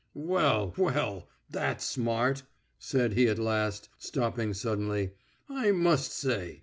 "Well, well.... That's smart!" said he at last, stopping suddenly. "I must say....